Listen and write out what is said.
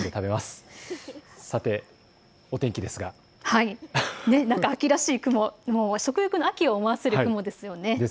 さて、お天気ですが秋らしい雲、食欲の秋を思わせるような雲ですよね。